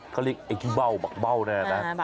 เขาเรียกไอ้กี้เบาบักเบานะ